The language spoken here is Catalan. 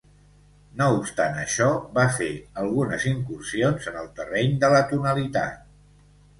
No obstant això, va fer algunes incursions en el terreny de l'atonalitat.